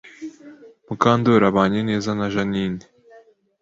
Mukandori abanye neza na Jeaninne